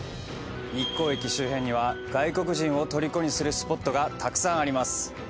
日光駅周辺には外国人を虜にするスポットがたくさんあります。